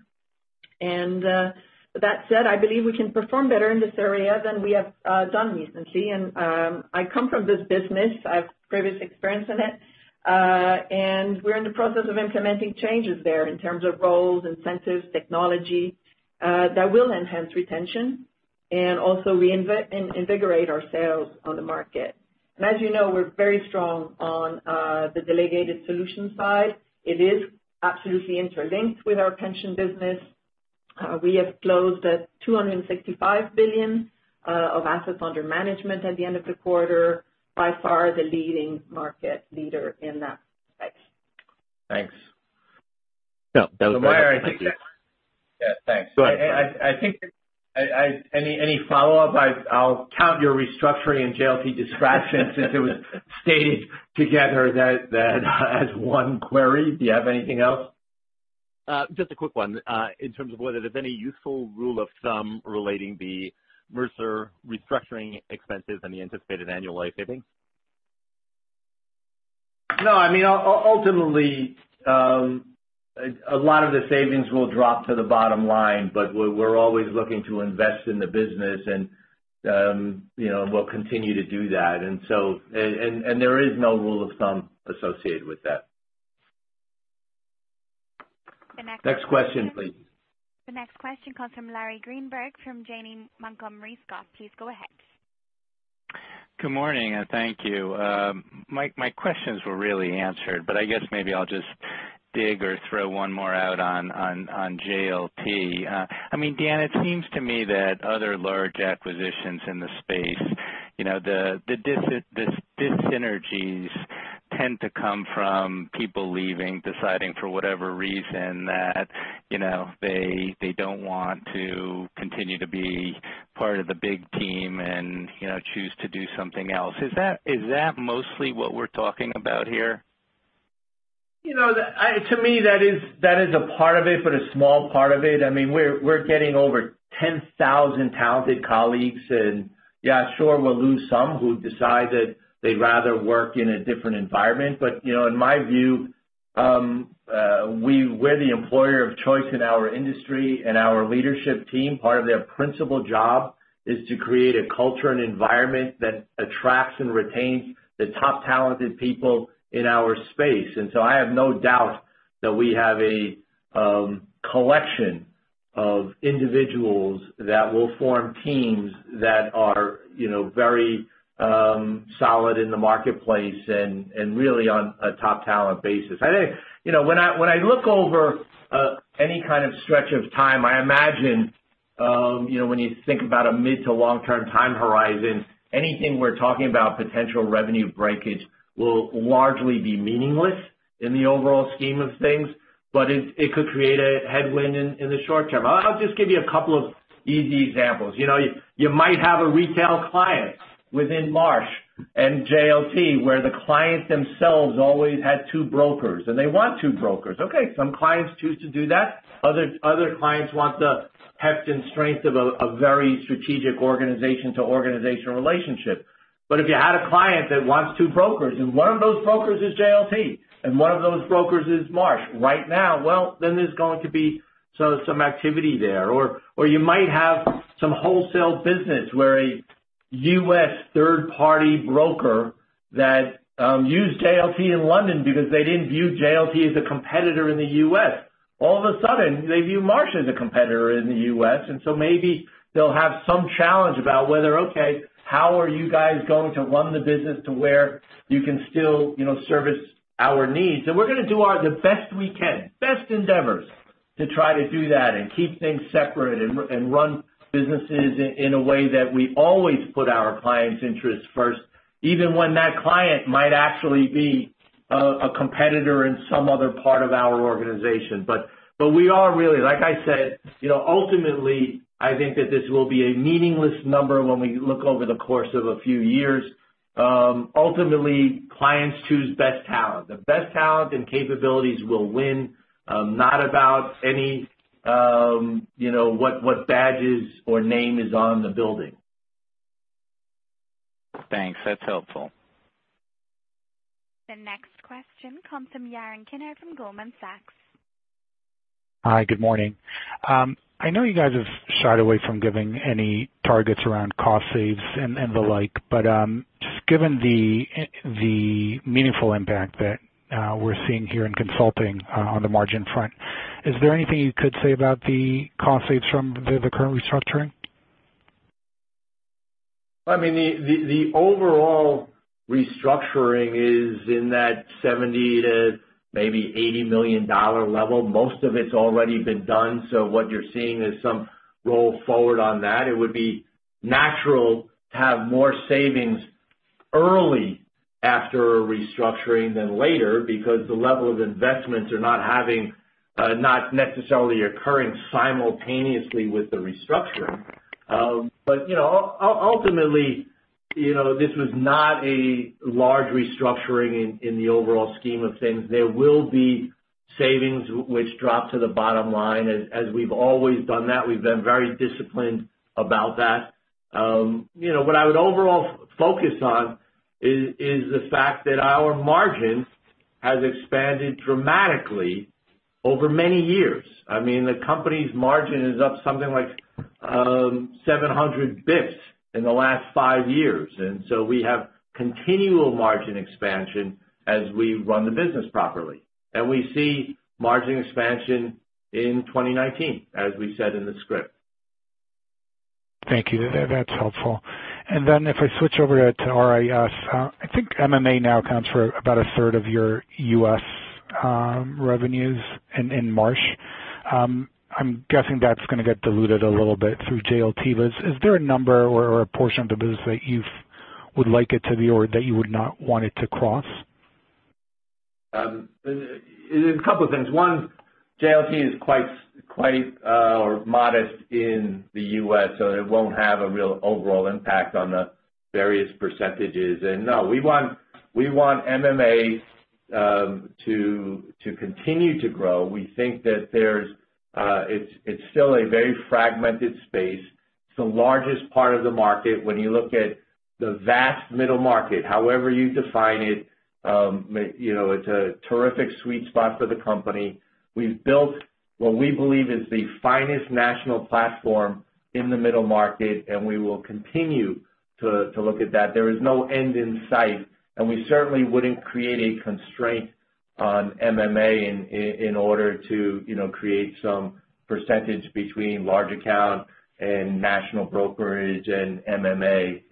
With that said, I believe we can perform better in this area than we have done recently. I come from this business. I have previous experience in it. We're in the process of implementing changes there in terms of roles, incentives, technology, that will enhance retention Also reinvigorate our sales on the market. As you know, we're very strong on the delegated solution side. It is absolutely interlinked with our pension business. We have closed at $265 billion of assets under management at the end of the quarter, by far the leading market leader in that space. Thanks. No. Meyer, I think that Yeah, thanks. Go ahead. I think any follow-up, I'll count your restructuring in JLT distractions since it was stated together as one query. Do you have anything else? Just a quick one. In terms of whether there's any useful rule of thumb relating the Mercer restructuring expenses and the anticipated annual savings. No, ultimately, a lot of the savings will drop to the bottom line, but we're always looking to invest in the business, and we'll continue to do that. There is no rule of thumb associated with that. The next question. Next question, please. The next question comes from Larry Greenberg from Janney Montgomery Scott. Please go ahead. Good morning, and thank you. My questions were really answered. I guess maybe I'll just dig or throw one more out on JLT. Dan, it seems to me that other large acquisitions in the space, the dyssynergies tend to come from people leaving, deciding for whatever reason that they don't want to continue to be part of the big team and choose to do something else. Is that mostly what we're talking about here? To me, that is a part of it, but a small part of it. We're getting over 10,000 talented colleagues. Yeah, sure, we'll lose some who decide that they'd rather work in a different environment. In my view, we're the employer of choice in our industry and our leadership team, part of their principal job is to create a culture and environment that attracts and retains the top talented people in our space. So I have no doubt that we have a collection of individuals that will form teams that are very solid in the marketplace and really on a top talent basis. When I look over any kind of stretch of time, I imagine when you think about a mid-to-long-term time horizon, anything we're talking about potential revenue breakage will largely be meaningless in the overall scheme of things, but it could create a headwind in the short term. I'll just give you a couple of easy examples. You might have a retail client within Marsh and JLT where the clients themselves always had two brokers, and they want two brokers. Okay. Some clients choose to do that. Other clients want the heft and strength of a very strategic organization to organizational relationship. If you had a client that wants two brokers, and one of those brokers is JLT, and one of those brokers is Marsh, right now, well, then there's going to be some activity there. You might have some wholesale business where a U.S. third-party broker that used JLT in London because they didn't view JLT as a competitor in the U.S. All of a sudden, they view Marsh as a competitor in the U.S., maybe they'll have some challenge about whether, okay, how are you guys going to run the business to where you can still service our needs? We're going to do the best we can. Best endeavors to try to do that and keep things separate and run businesses in a way that we always put our clients' interests first, even when that client might actually be a competitor in some other part of our organization. We are really, like I said, ultimately, I think that this will be a meaningless number when we look over the course of a few years. Ultimately, clients choose best talent. The best talent and capabilities will win, not about what badges or name is on the building. Thanks. That's helpful. The next question comes from Yaron Kinar from Goldman Sachs. Hi. Good morning. I know you guys have shied away from giving any targets around cost saves and the like, but just given the meaningful impact that we're seeing here in consulting on the margin front, is there anything you could say about the cost saves from the current restructuring? The overall restructuring is in that $70 million to maybe $80 million level. Most of it's already been done, so what you're seeing is some roll forward on that. It would be natural to have more savings early after a restructuring than later because the level of investments are not necessarily occurring simultaneously with the restructuring. Ultimately, this was not a large restructuring in the overall scheme of things. There will be savings which drop to the bottom line as we've always done that. We've been very disciplined about that. What I would overall focus on is the fact that our margin has expanded dramatically over many years. The company's margin is up something like 700 basis points in the last five years. We have continual margin expansion as we run the business properly. We see margin expansion in 2019, as we said in the script. Thank you. That's helpful. If I switch over to RIS, I think MMA now accounts for about a third of your U.S. revenues in Marsh. I'm guessing that's going to get diluted a little bit through JLT. Is there a number or a portion of the business that you would like it to be or that you would not want it to cross? A couple of things. One, JLT is quite modest in the U.S., so it won't have a real overall impact on the various percentages. No, we want MMA to continue to grow. We think that it's still a very fragmented space. It's the largest part of the market when you look at the vast middle market, however you define it. It's a terrific sweet spot for the company. We've built what we believe is the finest national platform in the middle market, and we will continue to look at that. There is no end in sight, and we certainly wouldn't create a constraint on MMA in order to create some percentage between large account and national brokerage and MMA.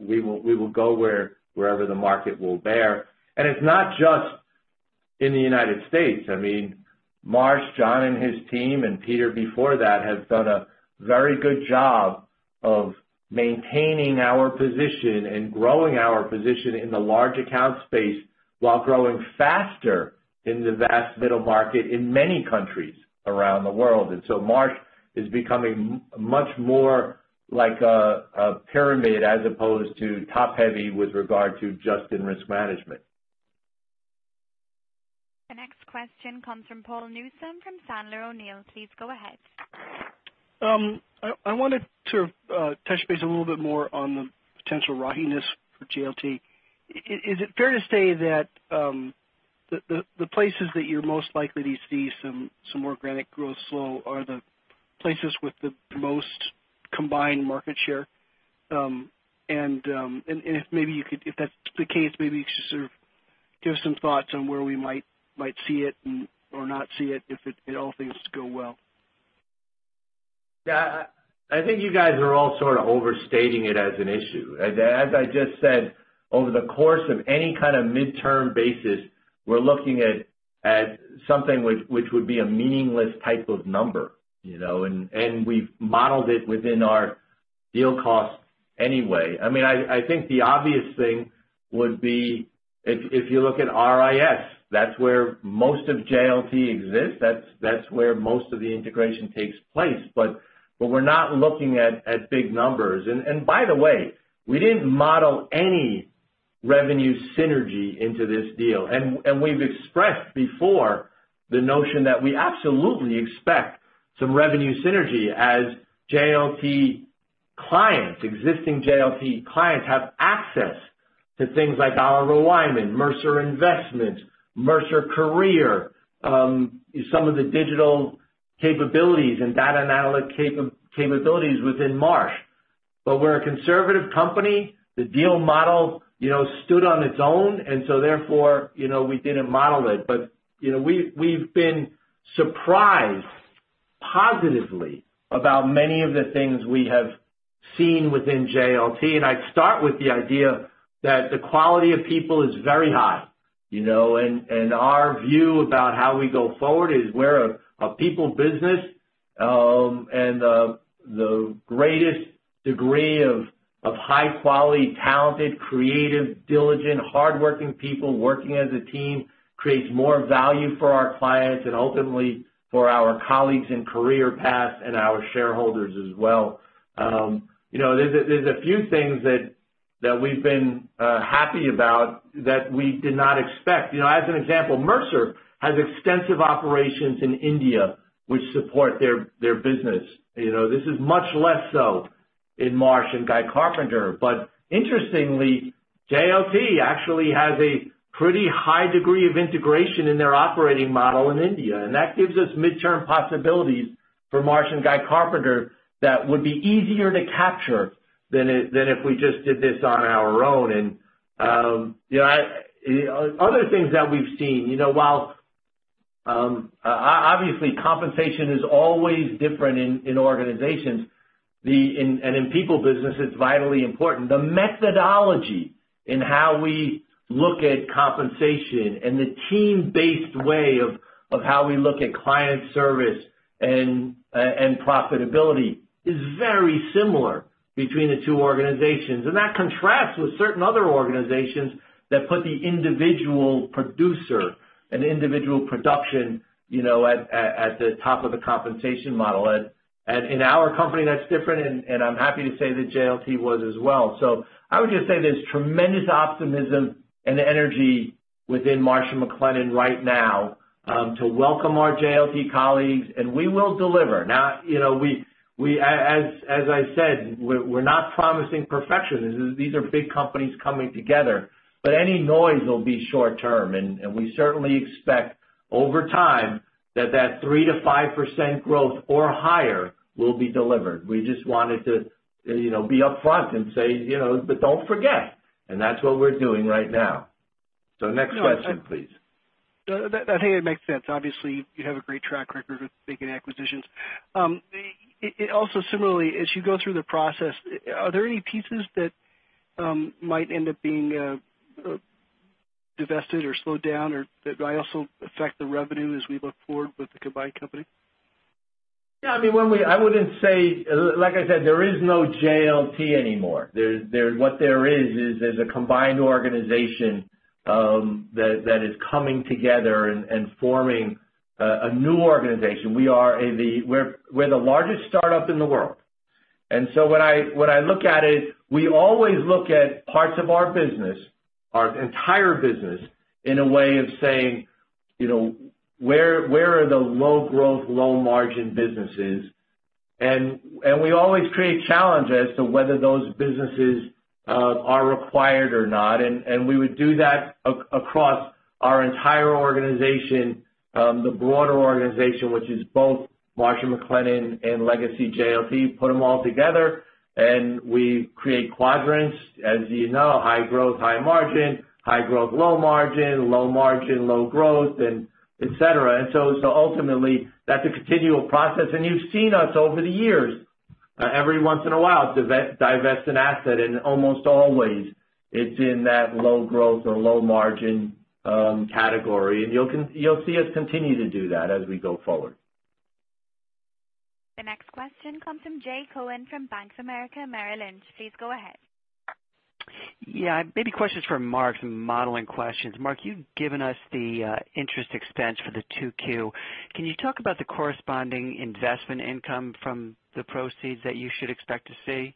We will go wherever the market will bear. It's not just in the United States. Marsh, John and his team, and Peter before that, have done a very good job of maintaining our position and growing our position in the large account space while growing faster in the vast middle market in many countries around the world. Marsh is becoming much more like a pyramid as opposed to top-heavy with regard to just in risk management. The next question comes from Paul Newsome from Sandler O'Neill. Please go ahead. I wanted to touch base a little bit more on the potential rockiness for JLT. Is it fair to say that the places that you're most likely to see some more organic growth slow are the places with the most combined market share? If that's the case, maybe you could just give us some thoughts on where we might see it or not see it if all things go well. Yeah. I think you guys are all sort of overstating it as an issue. As I just said, over the course of any kind of midterm basis, we're looking at something which would be a meaningless type of number. We've modeled it within our deal cost anyway. I think the obvious thing would be if you look at RIS, that's where most of JLT exists. That's where most of the integration takes place. We're not looking at big numbers. By the way, we didn't model any revenue synergy into this deal. We've expressed before the notion that we absolutely expect some revenue synergy as existing JLT clients have access to things like our alignment, Mercer Investments, Mercer Career, some of the digital capabilities and data analytic capabilities within Marsh. We're a conservative company. The deal model stood on its own, therefore, we didn't model it. We've been surprised positively about many of the things we have seen within JLT. I'd start with the idea that the quality of people is very high. Our view about how we go forward is we're a people business. The greatest degree of high quality, talented, creative, diligent, hardworking people working as a team creates more value for our clients and ultimately for our colleagues in career paths and our shareholders as well. There's a few things that we've been happy about that we did not expect. As an example, Mercer has extensive operations in India, which support their business. This is much less so in Marsh & Guy Carpenter. Interestingly, JLT actually has a pretty high degree of integration in their operating model in India, and that gives us midterm possibilities for Marsh & Guy Carpenter that would be easier to capture than if we just did this on our own. Other things that we've seen, while obviously compensation is always different in organizations and in people business it's vitally important, the methodology in how we look at compensation and the team-based way of how we look at client service and profitability is very similar between the two organizations. That contrasts with certain other organizations that put the individual producer and individual production at the top of the compensation model. In our company, that's different, and I'm happy to say that JLT was as well. I would just say there's tremendous optimism and energy within Marsh & McLennan right now to welcome our JLT colleagues, and we will deliver. Now, as I said, we're not promising perfection. These are big companies coming together. Any noise will be short-term, and we certainly expect over time that that 3%-5% growth or higher will be delivered. We just wanted to be upfront and say, but don't forget, and that's what we're doing right now. Next question, please. No, I think it makes sense. Obviously, you have a great track record with making acquisitions. Similarly, as you go through the process, are there any pieces that might end up being divested or slowed down or that might also affect the revenue as we look forward with the combined company? Yeah. Like I said, there is no JLT anymore. What there is a combined organization that is coming together and forming a new organization. We're the largest startup in the world. When I look at it, we always look at parts of our business, our entire business, in a way of saying, where are the low growth, low margin businesses? We always create challenge as to whether those businesses are required or not. We would do that across our entire organization, the broader organization, which is both Marsh & McLennan and legacy JLT, put them all together, and we create quadrants, as you know. High growth, high margin, high growth, low margin, low margin, low growth, and et cetera. Ultimately, that's a continual process. You've seen us over the years every once in a while divest an asset, almost always it's in that low growth or low margin category. You'll see us continue to do that as we go forward. The next question comes from Jay Cohen from Bank of America Merrill Lynch. Please go ahead. Yeah. Maybe questions for Mark, some modeling questions. Mark, you've given us the interest expense for the 2Q. Can you talk about the corresponding investment income from the proceeds that you should expect to see?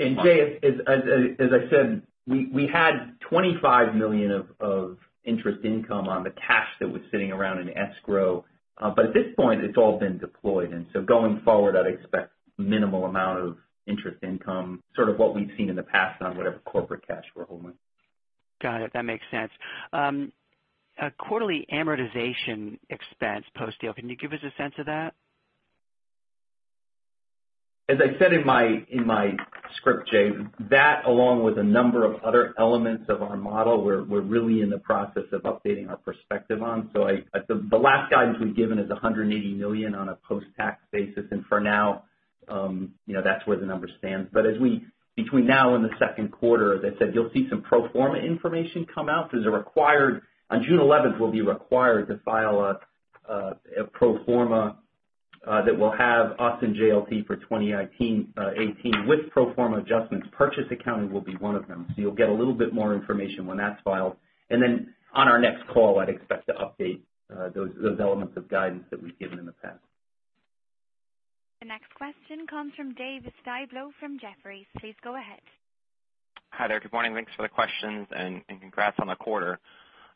Jay, as I said, we had $25 million of interest income on the cash that was sitting around in escrow. At this point, it's all been deployed. Going forward, I'd expect minimal amount of interest income, sort of what we've seen in the past on whatever corporate cash we're holding. Got it. That makes sense. Quarterly amortization expense post-deal, can you give us a sense of that? As I said in my script, Jay, that along with a number of other elements of our model, we're really in the process of updating our perspective on. The last guidance we've given is $180 million on a post-tax basis. For now, that's where the number stands. Between now and the second quarter, as I said, you'll see some pro forma information come out because on June 11th, we'll be required to file a pro forma that will have us and JLT for 2018 with pro forma adjustments. Purchase accounting will be one of them. You'll get a little bit more information when that's filed. On our next call, I'd expect to update those elements of guidance that we've given in the past. The next question comes from Dave Styblo from Jefferies. Please go ahead. Hi there. Good morning. Thanks for the questions and congrats on the quarter.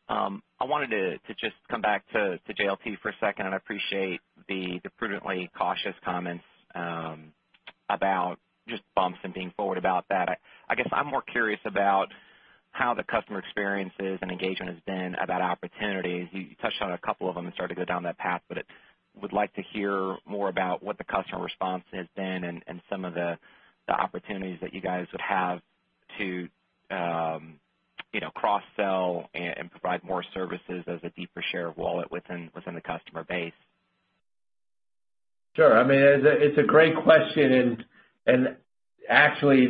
I wanted to just come back to JLT for a second. I appreciate the prudently cautious comments about just bumps and being forward about that. I guess I'm more curious about how the customer experience is and engagement has been about opportunities. You touched on a couple of them and started to go down that path, but would like to hear more about what the customer response has been and some of the opportunities that you guys would have to cross-sell and provide more services as a deeper share of wallet within the customer base. Sure. It's a great question. Actually,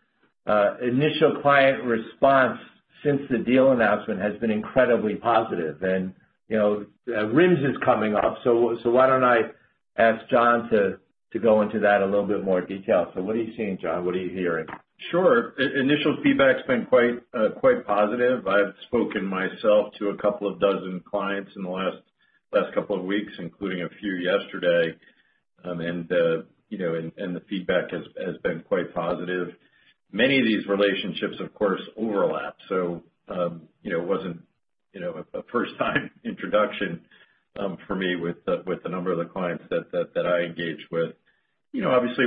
the initial client response since the deal announcement has been incredibly positive. RIMS is coming up, so why don't I ask John to go into that in a little bit more detail. What are you seeing, John? What are you hearing? Sure. Initial feedback's been quite positive. I've spoken myself to a couple of dozen clients in the last couple of weeks, including a few yesterday. The feedback has been quite positive. Many of these relationships, of course, overlap. It wasn't a first time introduction for me with the number of the clients that I engage with. Obviously,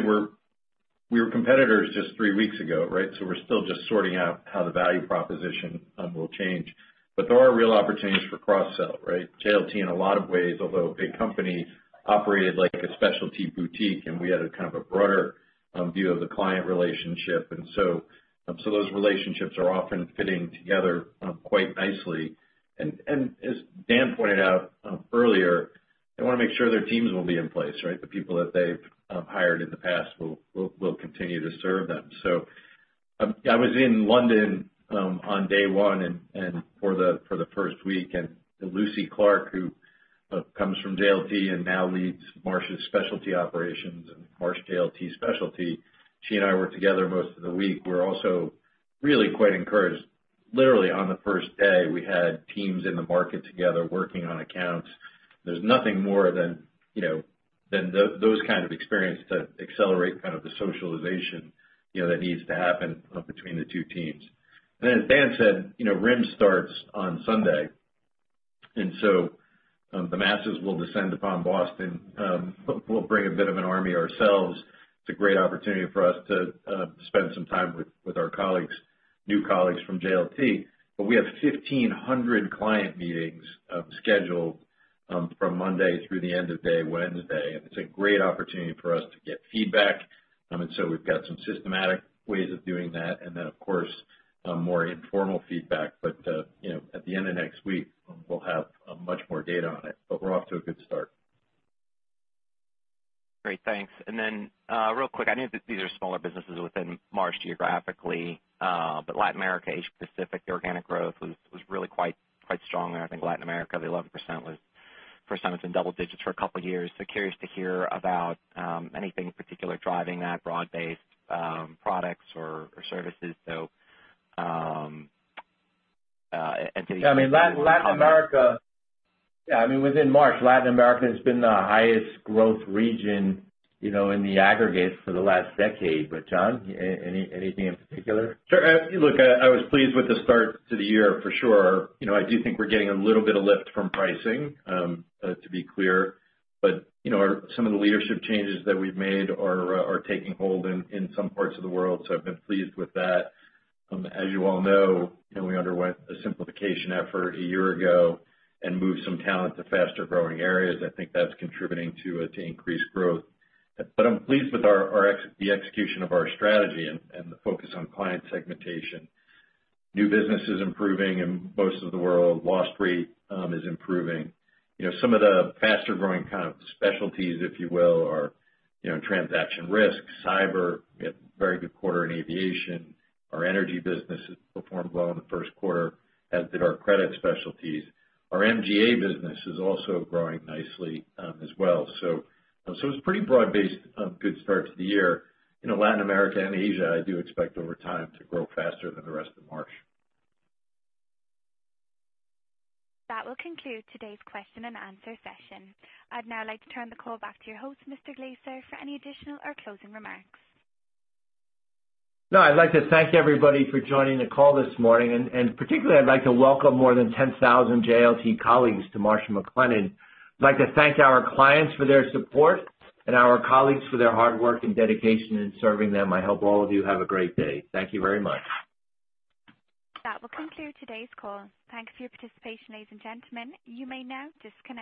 we were competitors just three weeks ago, right? We're still just sorting out how the value proposition will change. There are real opportunities for cross-sell, right? JLT, in a lot of ways, although a big company, operated like a specialty boutique. We had a kind of a broader view of the client relationship. Those relationships are often fitting together quite nicely. As Dan pointed out earlier, they want to make sure their teams will be in place, right? The people that they've hired in the past will continue to serve them. I was in London on day one and for the first week. Lucy Clarke, who comes from JLT and now leads Marsh's specialty operations and Marsh JLT Specialty, she and I were together most of the week. We're also really quite encouraged. Literally on the first day, we had teams in the market together working on accounts. There's nothing more than those kind of experience to accelerate kind of the socialization that needs to happen between the two teams. As Dan said, RIMS starts on Sunday. The masses will descend upon Boston. We'll bring a bit of an army ourselves. It's a great opportunity for us to spend some time with our colleagues, new colleagues from JLT. We have 1,500 client meetings scheduled From Monday through the end of day Wednesday. It's a great opportunity for us to get feedback. We've got some systematic ways of doing that. Then, of course, more informal feedback. At the end of next week, we'll have much more data on it. We're off to a good start. Great. Thanks. Real quick, I know that these are smaller businesses within Marsh geographically, Latin America, Asia Pacific, the organic growth was really quite strong there. I think Latin America, the 11% was first time it's in double digits for a couple of years. Curious to hear about anything particular driving that broad-based products or services. Latin America, within Marsh, Latin America has been the highest growth region in the aggregate for the last decade. John, anything in particular? Sure. Look, I was pleased with the start to the year for sure. I do think we're getting a little bit of lift from pricing, to be clear. Some of the leadership changes that we've made are taking hold in some parts of the world, so I've been pleased with that. As you all know, we underwent a simplification effort a year ago and moved some talent to faster-growing areas. I think that's contributing to increased growth. I'm pleased with the execution of our strategy and the focus on client segmentation. New business is improving in most of the world. Loss rate is improving. Some of the faster-growing kind of specialties, if you will, are transaction risk, cyber. We had a very good quarter in aviation. Our energy business has performed well in the first quarter, as did our credit specialties. Our MGA business is also growing nicely as well. It's pretty broad-based on good start to the year. In Latin America and Asia, I do expect over time to grow faster than the rest of Marsh. That will conclude today's question and answer session. I'd now like to turn the call back to your host, Mr. Glaser, for any additional or closing remarks. No, I'd like to thank everybody for joining the call this morning, and particularly, I'd like to welcome more than 10,000 JLT colleagues to Marsh & McLennan. I'd like to thank our clients for their support and our colleagues for their hard work and dedication in serving them. I hope all of you have a great day. Thank you very much. That will conclude today's call. Thanks for your participation, ladies and gentlemen. You may now disconnect.